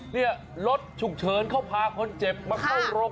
นี่รถฉุกเฉินเขาพาคนเจ็บมาเข้าโรง